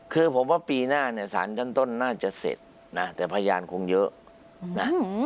คือผมว่าปีหน้าเนี่ยสารชั้นต้นน่าจะเสร็จนะแต่พยานคงเยอะนะ